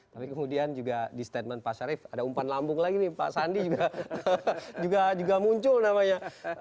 tapi kemudian juga di statement pak syarif ada umpan lambung lagi nih pak sandi juga muncul namanya